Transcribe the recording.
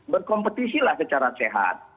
berkompetisi lah secara sehat